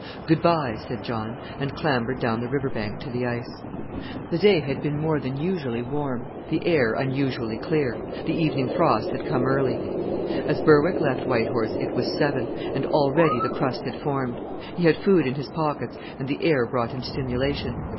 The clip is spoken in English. "Good bye," said John, and clambered down the river bank to the ice. The day had been more than usually warm, the air unusually clear; the evening frost had come early. As Berwick left White Horse it was seven, and already the crust had formed. He had food in his pockets, and the air brought him stimulation.